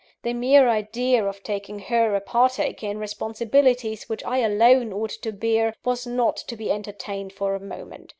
The mere idea of making her a partaker in responsibilities which I alone ought to bear, was not to be entertained for a moment.